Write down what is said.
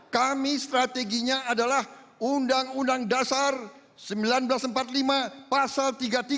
kami strateginya adalah undang undang dasar seribu sembilan ratus empat puluh lima pasal tiga puluh tiga